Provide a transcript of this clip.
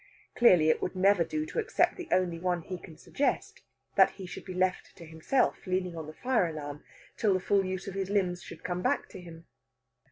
Clearly, it would never do to accept the only one he can suggest that he should be left to himself, leaning on the fire alarm, till the full use of his limbs should come back to him.